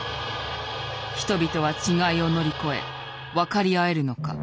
人々は違いを乗り越え分かり合えるのか。